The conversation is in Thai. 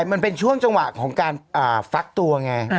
มันเป็นช่วงจังหวะของการฟักตัวไง